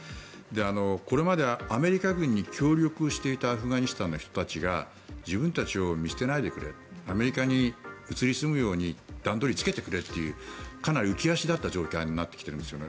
これまでアメリカ軍に協力していたアフガニスタンの人たちが自分たちを見捨てないでくれアメリカに移り住むように段取りをつけてくれというかなり浮足立った状態になってきているんですよね。